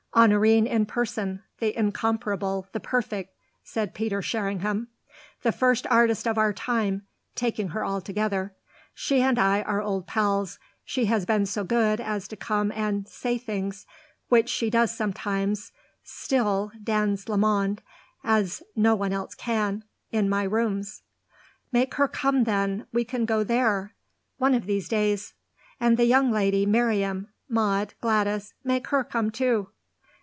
"Honorine in person: the incomparable, the perfect!" said Peter Sherringham. "The first artist of our time, taking her altogether. She and I are old pals; she has been so good as to come and 'say' things which she does sometimes still dans le monde as no one else can in my rooms." "Make her come then. We can go there!" "One of these days!" "And the young lady Miriam, Maud, Gladys make her come too."